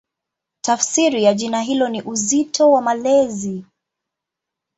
Tafsiri ya jina hilo ni "Uzito wa Malezi".